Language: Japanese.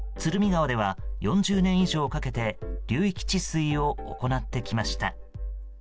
川では４０年以上かけて流域治水を行ってきました。